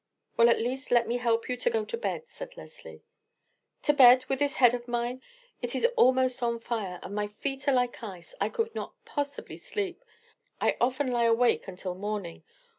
"Well, at least, let me help you to go to bed," said Leslie. "To bed, with this head of mine! It is almost on fire, and my feet are like ice. I could not possibly sleep. I often lie awake until morning.